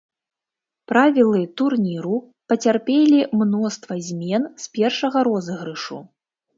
Правілы турніру пацярпелі мноства змен з першага розыгрышу.